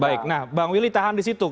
baik nah bang willy tahan di situ